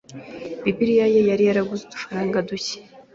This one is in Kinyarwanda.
Bibiliya ye yari yaraguze udufaranga duke